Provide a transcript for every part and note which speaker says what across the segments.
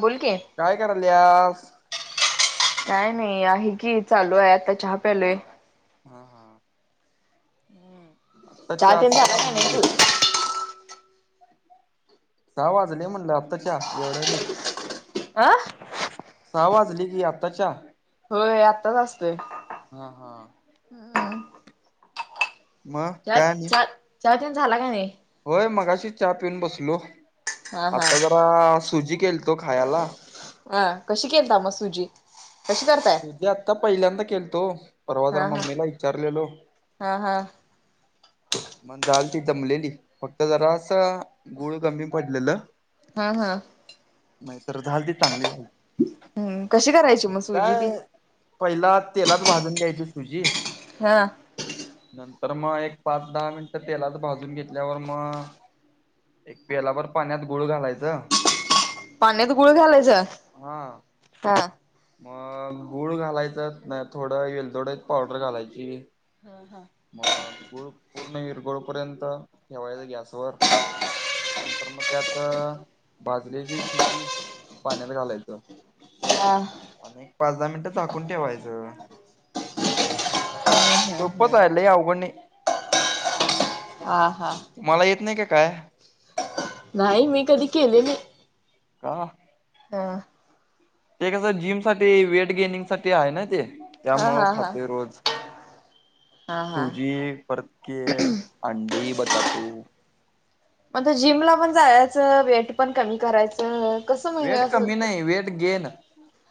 Speaker 1: बोल की
Speaker 2: काय करालयास?
Speaker 1: काय नही आहे की चालू आहे आता चहा प्यालोय
Speaker 2: हां हां
Speaker 1: चाय
Speaker 2: चहा
Speaker 1: पिउन
Speaker 2: सहा
Speaker 1: झाला का
Speaker 2: वाजले
Speaker 1: नाई
Speaker 2: की
Speaker 1: थोडं
Speaker 2: सहा वाजले म्हणलं आत्ता चहा एवढ्या लेट..
Speaker 1: आ
Speaker 2: सहा वाजली की आत्ता चहा
Speaker 1: होय आत्ताच असतोय.
Speaker 2: हा हा.. मग
Speaker 1: चा
Speaker 2: काय आणि
Speaker 1: चा चा पीउन झाला का न्हाई
Speaker 2: होय मगाशी चहा पिऊन बसलो
Speaker 1: हा हा
Speaker 2: आता जरा सुजी केलतो खायला
Speaker 1: हा कशी केलता मग सुजी कशी करता?
Speaker 2: जे आता पहिल्यांदा केलतो परवा जरा
Speaker 1: हा हा
Speaker 2: मम्मीला विचारलेलो
Speaker 1: हा हा.
Speaker 2: मग डाल ती जमलेली, फक्त जरा असं गुळ कमी पडलेलं.
Speaker 1: हा, हा.
Speaker 2: नाही तर झालती, चांगली झाली.
Speaker 1: हम्, कशी करायची मग सुजी ती?
Speaker 2: पहिला तेलात भाजून घ्यायची सुजी.
Speaker 1: हा.
Speaker 2: नंतर मग एक पाच -दहा मिनिटं तेलात भाजून घेतल्यावर मग. एक पेलाबर पाण्यात गुळ घालायचं.
Speaker 1: पाण्यात गुळ घालायचं
Speaker 2: हा.
Speaker 1: हा
Speaker 2: मग, गुळ घालायचं. नाही, थोडं येलदोडची पावडर घालायची.
Speaker 1: हां, हां.
Speaker 2: मग, गुळ पूर्ण इरगळोपर्यंत ठेवायच गॅस. नंतर मग. त्यात भाजलेली सुजी पाण्यात घालायचं.
Speaker 1: हा.
Speaker 2: आणि एक पाच -दहा मिनिटं झाकून ठेवायचं. सोपच हाय लई अवघड नाही.
Speaker 1: आ, हा.
Speaker 2: तुम्हाला येत नाही कि काय?
Speaker 1: नाही मी कधी केली नाही.
Speaker 2: का?
Speaker 1: हा.
Speaker 2: ते कसं जिम साठी वेट गेनिंग साठी आहे ना ते,
Speaker 1: हा हा
Speaker 2: त्यामुळं
Speaker 1: हा
Speaker 2: खातोय रोज.
Speaker 1: हा हा
Speaker 2: सूजी, परतकेळ, अंडी, बटाटू.
Speaker 1: मग, ते जिमला पण जायाचं, वेट पण कमी करायचं. कसं म्हणजे
Speaker 2: वेट
Speaker 1: असं
Speaker 2: कमी नाही, वेट गेन.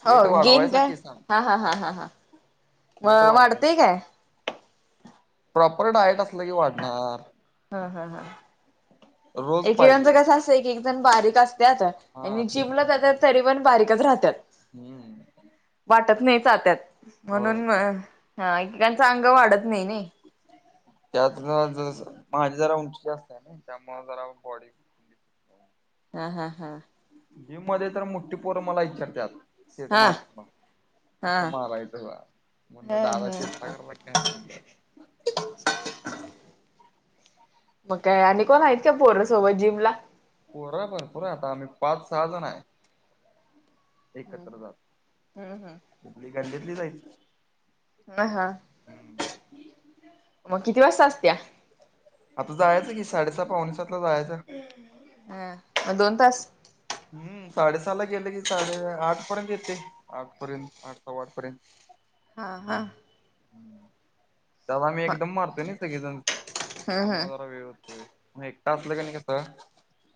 Speaker 1: हो,
Speaker 2: वेट
Speaker 1: गेन काय?
Speaker 2: वाढवायसाठी सांग
Speaker 1: हा, हा, हा, हा, हा,
Speaker 2: वेट
Speaker 1: म
Speaker 2: वाढवाय
Speaker 1: वाढतय काय?
Speaker 2: प्रॉपर डायट असलं की वाढणार.
Speaker 1: हा, हा, हा
Speaker 2: रोज
Speaker 1: एकेकाच
Speaker 2: पाहिजे
Speaker 1: कस असतय, एक -एक जण बारीक असत्यात.
Speaker 2: हा
Speaker 1: आणि
Speaker 2: तेच
Speaker 1: जिमला
Speaker 2: की
Speaker 1: जात्यात, तरी पण बारीकच राहत्यात.
Speaker 2: हम्म.
Speaker 1: वाटत नाही जात्यात,
Speaker 2: होय
Speaker 1: म्हणून
Speaker 2: ते.
Speaker 1: म एकेकाच अंग वाढत नाही नाही नी.
Speaker 2: त्यात माझ कसं, माझी जरा उंची जास्त हाय ना त्यामुळ जरा बॉडी [unintelligible]
Speaker 1: हा, हा, हा.
Speaker 2: जिम मध्ये तर मोट्ठी पोर मला इचारत्यात. शेट
Speaker 1: हा
Speaker 2: मारताना,
Speaker 1: हा
Speaker 2: कसं मारायचं गा, म्हणलं
Speaker 1: ह
Speaker 2: दादा
Speaker 1: ह
Speaker 2: चेष्टा करालाय काय म्हणलं.
Speaker 1: मग काय आणि कोण हाईत काय पोर सोबत जिमला?
Speaker 2: पोरं भरपूर हाय आता, आम्ही पाच -सहा जण हाय. एकत्र जातात,
Speaker 1: हम्म हम्म
Speaker 2: कुठली गल्लीतलीच हाईत.
Speaker 1: ह हा
Speaker 2: हम्.
Speaker 1: मग किती वाजता असत्या
Speaker 2: आता जायचं की, साडे-सहा, पावणेसातला जायाच.
Speaker 1: हा, म दोन तास?
Speaker 2: हम्म, साडे-सहाला गेले की, साडे, आठ पर्यंत येतेय आठपर्यंत, आठ -सव्वाआठ पर्यंत.
Speaker 1: हा हा.
Speaker 2: तवा आम्ही
Speaker 1: मग
Speaker 2: एकदम मारतोय ना सगळेजण
Speaker 1: हम्म
Speaker 2: त्यामुळ
Speaker 1: हम्म
Speaker 2: जरा वेळ होतोय एकटा असला कणी कसं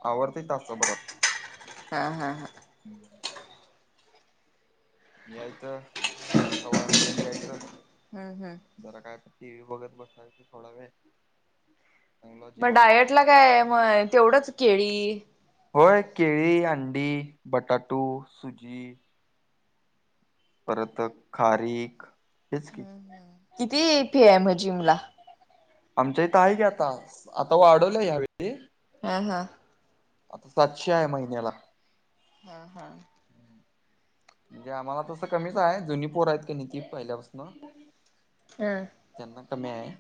Speaker 2: आवरतय तासाभरात.
Speaker 1: हा हा
Speaker 2: [inaudible] यायचं आठ सव्वा आठपर्यंत यायचं-
Speaker 1: हम्म हम्
Speaker 2: जरा काय तर टी व्ही बघत बसायच थोडा वेळ. चांगलं
Speaker 1: मग
Speaker 2: जेवाय
Speaker 1: डायट ला काय मग तेवढंच केळी.
Speaker 2: होय केळी अंडी बटाटू सुजी. परत खारीख हेच की
Speaker 1: किती फि आहे म जिमला-
Speaker 2: आमच्या इथं आहे की आता आता वाढवलय ह्यावेळी-
Speaker 1: हा हा
Speaker 2: आता सातशे आहे महिन्याला.
Speaker 1: हा हा
Speaker 2: म्हणजे आम्हाला तसं कमीच आहे जुनी पोर आहेत कनि ती पहिल्यापासन-
Speaker 1: ह
Speaker 2: त्यांना कमी आहे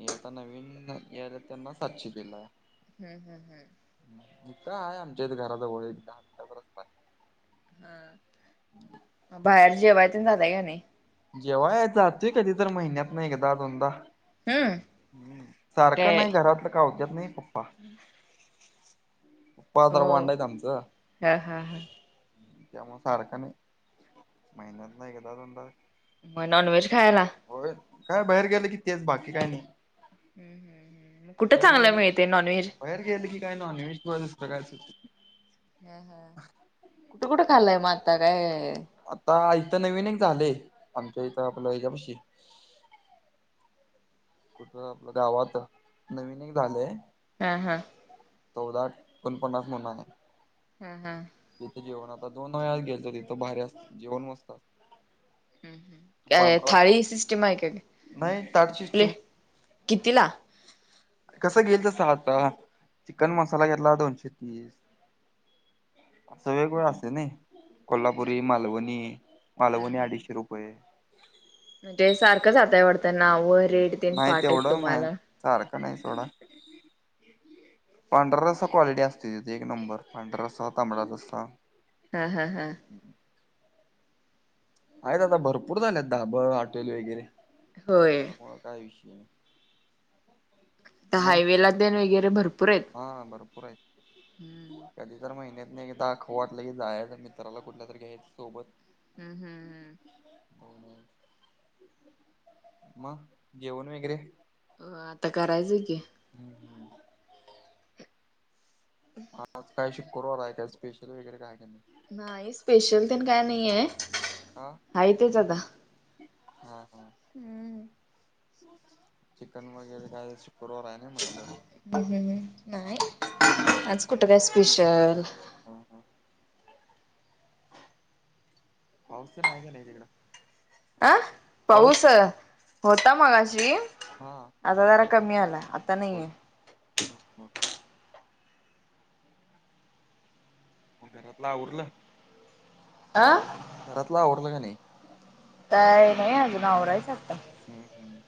Speaker 2: हे आता नवीन हे याल्यात त्यांना सातशे दिला
Speaker 1: हम्म हम् हम्
Speaker 2: इथं आहे आमच्याच घराजवळ एक दहा मिनिटात.
Speaker 1: ह बाहेर जेवाय तेन जाताय का नाही.
Speaker 2: जेवाय जातोय कधी तर महिन्यातन एकदा दोनदा.
Speaker 1: हम्म
Speaker 2: सारखं
Speaker 1: काय
Speaker 2: नाही घरातलं कावत्यात नाही पप्पा.
Speaker 1: [inaudible]
Speaker 2: पप्पा जरा
Speaker 1: हो
Speaker 2: वांड आहेत आमचं.
Speaker 1: हा हा हा
Speaker 2: त्यामुळे सारखं नाही महिन्यातन एकदा दोनदा.
Speaker 1: म नॉनव्हेज खायला.
Speaker 2: होय काय बाहेर गेलं की तेच बाकी काय नाही.
Speaker 1: कुठं
Speaker 2: बाहेर
Speaker 1: चांगल
Speaker 2: गेलं
Speaker 1: मिळते नॉनव्हेज.
Speaker 2: बाहेर गेले की [inaudible]
Speaker 1: ह हा कुठे कुठे खाल्लाय म आता काय
Speaker 2: आता इथं नवीन एक झालंय आमच्या इथं आपलं हेच्यापाशी- गावात नवीन एक झालंय-
Speaker 1: हा हा
Speaker 2: चौदा एकोणपन्नास म्हणून आहे.
Speaker 1: हा हा
Speaker 2: तिथं जेवण आता दोन वेळा गेलतो तिथं भारी असत जेवण मस्त.
Speaker 1: ह काय
Speaker 2: पांढरा
Speaker 1: थाळी सिस्टीम आहे का
Speaker 2: नाही ताट
Speaker 1: प्ले
Speaker 2: सिस्टीम
Speaker 1: कितीला.
Speaker 2: कसं घेईल तसा आता चिकन मसाला घेतला दोनशे तीस- असं वेगवेगळं असतं नाही कोल्हापुरी मालवणी मालवणी अडीचशे रुप- रुपये
Speaker 1: म्हणजे सारखं जाताय वाटतं नाव रेट तेन
Speaker 2: नाही
Speaker 1: पाठ आहेत
Speaker 2: तेवढं मा
Speaker 1: तुम्हाला.
Speaker 2: सारखं नाही सोडा. [inaudible] पांढरा रस्सा क्वालिटी असते तिथे एक नंबर. पांढरा रस्सा, तांबडा रस्सा
Speaker 1: हा हा हा.
Speaker 2: [inaudible] आहेत आता भरपूर झालेत धाबं, हॉटेल वगैरे
Speaker 1: होय.
Speaker 2: मग काय विषय नाही. [inaudible]
Speaker 1: तर हायवे [unintelligible] वगैरे भरपूर आहेत.
Speaker 2: हा भरपूर आहे. [inaudible] कधी तर महिन्यात नाही एकदा वाटलं की जायचं. मित्राला कुठलं तरी घ्यायच सोबत.
Speaker 1: हम्म हम्म हम्
Speaker 2: हो मग. [inaudible] मग जेवण वगैरे?
Speaker 1: अ आता करायचं की
Speaker 2: हम्म हम्म. मग आज काय शुक्ररवार आहे. काय स्पेशल वगैरे काय आहे का नाही?
Speaker 1: नाही स्पेशल पण काय नाहीये.
Speaker 2: हा
Speaker 1: आहे तेच आता.
Speaker 2: हा हा
Speaker 1: हम्म
Speaker 2: [unintelligible] चिकन वगैरे काय? शुक्रुवार आहे ना म्हंटलं.
Speaker 1: नाही.
Speaker 2: [inaudible]
Speaker 1: आज कुठंला स्पेशल?
Speaker 2: हा हा पाउस पण आहे की नाही तिकडं?
Speaker 1: अं पाऊस? होता मगाशी.
Speaker 2: हा
Speaker 1: [inaudible] आता जरा कमी आलाय, आता नाहीये.
Speaker 2: हम्म हम्म. मग घरातलं आवरलं?
Speaker 1: अं
Speaker 2: घरातलं आवरलं का नाही?
Speaker 1: काय नाही अजून, आवरायचं आता.
Speaker 2: हम्म, हम्म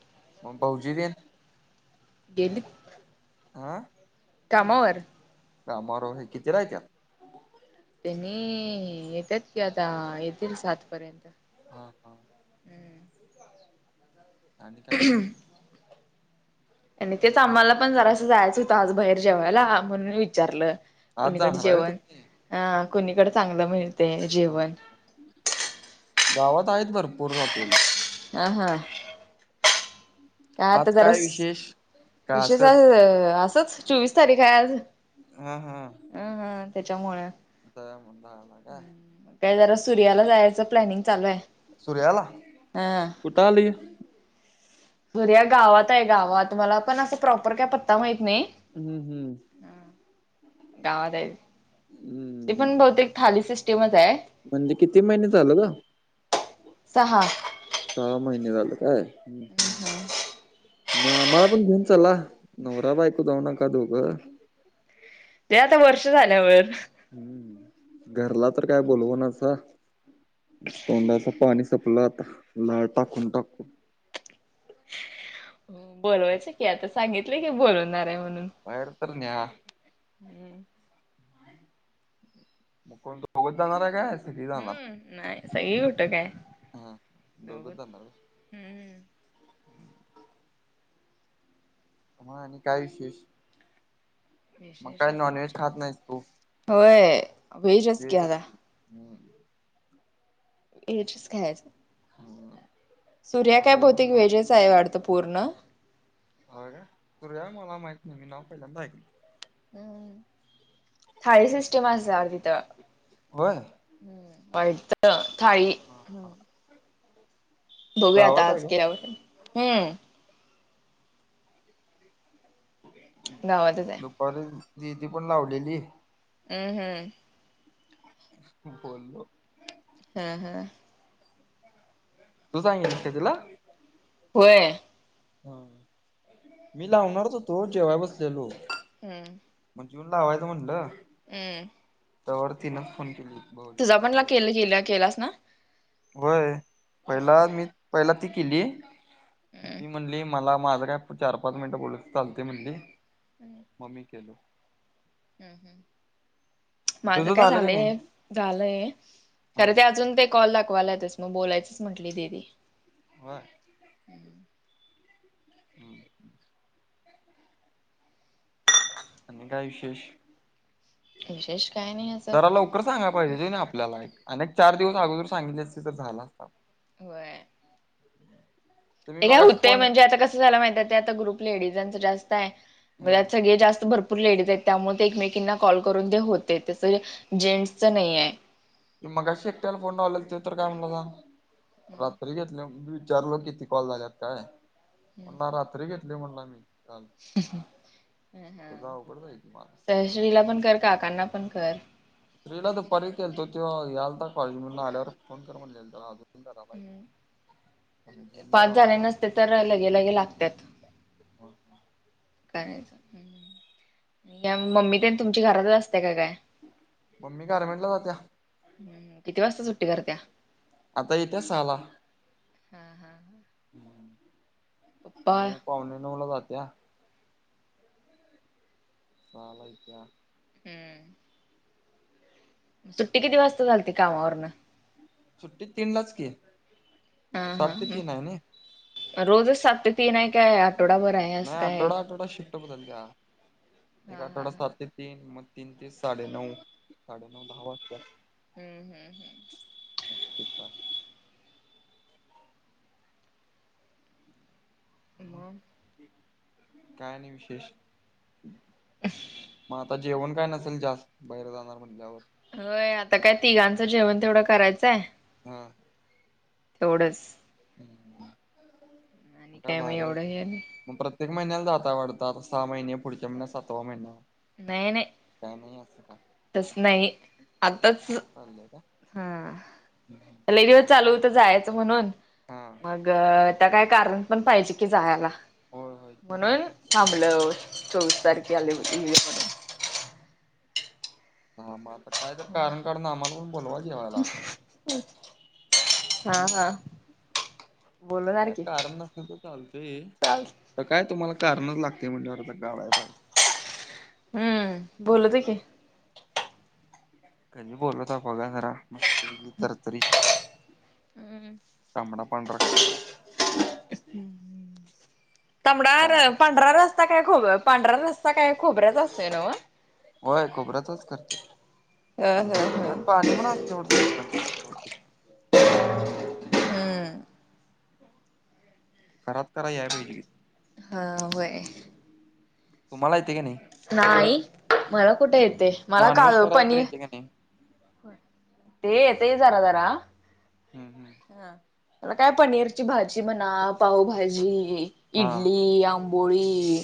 Speaker 2: [unintelligible] मग भाऊजीं ते?
Speaker 1: गेले.
Speaker 2: आ
Speaker 1: कामावर.
Speaker 2: कामावर व्हयं, कितीला येत्यात?
Speaker 1: त्यांनी येतात की, आता येतील सातपर्यंत.
Speaker 2: हा हा. आणि काय?
Speaker 1: आणि तेच आम्हाला पण जरासं जायचं होतं आज बाहेर जेवायला, म्हणून विचारलं?
Speaker 2: आज
Speaker 1: कुणीकडे
Speaker 2: जाणार आहे होय
Speaker 1: जेवण,
Speaker 2: तुम्ही
Speaker 1: अ कुणीकडे चांगलं मिळतंय
Speaker 2: हा.
Speaker 1: जेवण?
Speaker 2: गावात आहेत भरपूर हॉटेल.
Speaker 1: आ हा. काय आता
Speaker 2: आज
Speaker 1: जरास,
Speaker 2: विशेष का
Speaker 1: विषय
Speaker 2: असंच
Speaker 1: जरा असंच चोवीस तारीख आहे आज.
Speaker 2: हा हा
Speaker 1: अ हं त्याच्यामुळे.
Speaker 2: का
Speaker 1: [inaudible] या जरा सूर्याला जायचं प्लॅनिंग चालू आहे.
Speaker 2: सुर्याला.
Speaker 1: हा
Speaker 2: कुठ आलं हे?
Speaker 1: सूर्या गावात आहे गावात. मला पण अस प्रॉपर काय पत्ता माहित नाई.
Speaker 2: हम्म हम्म
Speaker 1: गावात आहे. ते
Speaker 2: हम्म
Speaker 1: पण बहुतेक थाली सिस्टीमच आहे
Speaker 2: म्हणजे किती महिने झालं न..?
Speaker 1: सहा
Speaker 2: सहा महिने झाले काय? मग मला पण घेऊन चला. नवरा बायको जाऊ नका दोघं..
Speaker 1: ते आता वर्ष झाल्यावर.
Speaker 2: घरला तर काय बोलवनसा. तोंडाच पाणी संपलं लाळ टाकून टाकून.
Speaker 1: बोलवायच की आता. सांगितल की बोलणार आहे म्हणून.
Speaker 2: बाहेर तर न्या.
Speaker 1: हम्म
Speaker 2: मग कोण दोघंच जाणार आहे काय आज?
Speaker 1: हम्म नाही सगळी कुट काय
Speaker 2: हा
Speaker 1: दोघ
Speaker 2: दोघच जाणार
Speaker 1: हम्म.
Speaker 2: हा मग आणि काय विशेष. मग
Speaker 1: विशेष
Speaker 2: काय
Speaker 1: असं
Speaker 2: नॉनव्हेज खात नाहीस तू..
Speaker 1: होय व्हेज की
Speaker 2: व्हेजच
Speaker 1: आता.
Speaker 2: हम्म
Speaker 1: व्हेजच खायचं.
Speaker 2: [inaudible]
Speaker 1: सूर्या
Speaker 2: मग
Speaker 1: काय भौतिक
Speaker 2: म्हणलं
Speaker 1: व्हेज च आहे वाटतं पूर्ण.
Speaker 2: ह का तू या मला माहित नाही मी नाव पहिल्यांदा ऐकल.
Speaker 1: हम्म थाली सिस्टम असर तिथं.
Speaker 2: होय
Speaker 1: हम्म वाईट तर थाळी.
Speaker 2: हां हा
Speaker 1: बघूया आता
Speaker 2: गावात
Speaker 1: आज
Speaker 2: आहे का
Speaker 1: केल्यावर, हम्म. गावातच आहे.
Speaker 2: दुपारी दीदी पण लावलेली.
Speaker 1: हम्म हम्म
Speaker 2: बोलो.
Speaker 1: हा हा
Speaker 2: तू सांगितलं का तिला?
Speaker 1: होय
Speaker 2: हा मी लावणारच होतो जेवाय बसलेलो.
Speaker 1: हम्म
Speaker 2: मग जेवण लावायचा म्हटलं.
Speaker 1: हम्म.
Speaker 2: तोवर तिनं फोन केलेला.
Speaker 1: तुझा पण [unintelligible] केलास ना?
Speaker 2: होय पहिला
Speaker 1: हम्म
Speaker 2: मी पहिला ती केली.
Speaker 1: हम्म.
Speaker 2: ती म्हणली मला माझं काय चार पाच मिनिटं बोलत चालते म्हणली, मग मी केलं.
Speaker 1: हम्म हम्म माझ
Speaker 2: तुझं
Speaker 1: काय
Speaker 2: झालं का नाही
Speaker 1: झालंय झालंय
Speaker 2: ह
Speaker 1: खरे ते अजून ते. कॉल दाखवायला लागले मग बोलायचंच म्हटली दीदी.
Speaker 2: बर.
Speaker 1: [unintelligible]
Speaker 2: हम्म! आणि काय विशेष?
Speaker 1: विशेष काही नाही असं
Speaker 2: जरा लवकर सांगाय पाहिजे कन्हीं आपल्याला एक अनेक चार दिवस अगोदर सांगित तर झालं असत.
Speaker 1: व्हय.
Speaker 2: तुम्ही
Speaker 1: ते काय
Speaker 2: मगाशी
Speaker 1: होते
Speaker 2: फोन
Speaker 1: म्हणजे आता कसं झाला माहिती आहे ते आता ग्रुप लेडीजांचं जास्त आहे म
Speaker 2: हम्म
Speaker 1: सगळे जास्त भरपू पूर लेडीज आहेत त्यामुळे ते एकमेकींना कॉल करून ते होते तस जेंट्सचं न्हाय हाय.
Speaker 2: मगाशी एकट्याला फोन लावलेला ते तर काय म्हणला
Speaker 1: हम्म,
Speaker 2: रात्री घेतल्याली. विचारलं किती कॉल झाल्यात काय म्हणला रात्री घेतल्या म्हणला मी. काल तुझं अवघड जाईल की मला
Speaker 1: त्या श्रीला पण कर काकांना पण कर.
Speaker 2: श्रीला दुपारी केलतो तो यालता कॉलेजमधून आल्यावर फोन कर म्हटल्यांल.
Speaker 1: हम्म.
Speaker 2: करालाय जिमला
Speaker 1: पाच झाले
Speaker 2: जाणार.
Speaker 1: नसते तर लगेलगे लागत्यात. काय त्या मम्मी तेंन तुमची घरातच असत्या का काय?
Speaker 2: मम्मी गारमेंट ला जात्या.
Speaker 1: हम्म, किती वाजता सुट्टी करत्या?
Speaker 2: आता इत्या सहाला.
Speaker 1: हम्म हम्म!
Speaker 2: [unintelligible]
Speaker 1: पप्पा
Speaker 2: नऊ पावणे नऊ ला जात्या दहाला इत्या प
Speaker 1: हम्म! सुट्टी किती वाजता झालती कामावरन?
Speaker 2: सुट्टी तीन लाच की.
Speaker 1: हा
Speaker 2: सात ते तीन आहे ना
Speaker 1: हा रोजच सात ते तीन हाय काय? आठवडाभर हाय.
Speaker 2: नाही आठवडा आठवडा शिफ्ट बदलत्या एक
Speaker 1: हा हा
Speaker 2: आठवडा
Speaker 1: हा
Speaker 2: सात ते तीन मग तीन ते साडेनऊ साडेनऊ दहा वाजत्या.
Speaker 1: हम्म हम्म हम्म
Speaker 2: सुट्टा मग
Speaker 1: म
Speaker 2: काय आणि विशेष?
Speaker 1: [unintelligible]
Speaker 2: म आता जेवण काय नसेल. जास्त बाहेर जाणार म्हणल्यावर?
Speaker 1: व्हय, आता काय तिघांचं जेवण तेवडं करायचंय
Speaker 2: हा!
Speaker 1: तेवढंच.
Speaker 2: मग
Speaker 1: आणि
Speaker 2: काय
Speaker 1: मग
Speaker 2: भारी हाय.
Speaker 1: एवढं हे नाही
Speaker 2: म प्रत्येक महिन्याला जाताय वाढत सहा महिने पुढच्या महिन्यात सातवा महिना?
Speaker 1: न्हाय नाही.
Speaker 2: काय नाही अस का?
Speaker 1: तस नाही आताच
Speaker 2: का
Speaker 1: हा लई दिवस चालू होत जायचं म्हणून,
Speaker 2: हा
Speaker 1: मग आता काय कारण पण पाहिजे की जायाला.
Speaker 2: होय होय ते पण आहे
Speaker 1: म्हणून थांबलं चोवीस तारखी आले म्हणून
Speaker 2: हा मग आता काय? तर कारण काढून आम्हाला पण बोलवा जेवायला
Speaker 1: [unintelligible]
Speaker 2: हम्म
Speaker 1: बोलणार
Speaker 2: काय
Speaker 1: की
Speaker 2: कारण नसल तरी चालतय.
Speaker 1: चाल
Speaker 2: तर काय तुम्हाला कारणच लागत्या. म्हटल्या वर आता काडायां पाहिजे.
Speaker 1: हूं बोलु दे की!
Speaker 2: कधी बोलत्या बघा जरा मस्त तरतरी.
Speaker 1: हम्म.
Speaker 2: तांबडा पांढरा खायाला.
Speaker 1: तांबडा!
Speaker 2: [inaudible]
Speaker 1: पांढरा रस्सा काय खोब पांढरा रस्सा काय खोबऱ्याचा असतोय नव्ह.
Speaker 2: व्हयं खोबऱ्याचाच करत्यात.
Speaker 1: हं हं हं!
Speaker 2: त्यात पाणीं पन असतं वाटत [unintelligible]
Speaker 1: हम्म
Speaker 2: घरात करायां याया पहिजे.
Speaker 1: हा व्हय.
Speaker 2: तुम्हाला येते का नाही?
Speaker 1: नाही मला कुठे येते, मला
Speaker 2: नॉनव्हेज
Speaker 1: काजू
Speaker 2: कराय तर
Speaker 1: पनीर
Speaker 2: येते का नाही
Speaker 1: ते येतय जरा जरा.
Speaker 2: हूं हूं!
Speaker 1: हा मला काय पनीरची भाजी म्हणा, पावभाजी
Speaker 2: हा
Speaker 1: इडली, आं- पोळी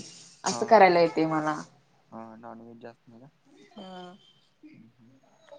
Speaker 2: हा
Speaker 1: असं करायला येते मला.
Speaker 2: हा नाॅन वेज जास्त नाही ना.
Speaker 1: हा!
Speaker 2: [inaudible]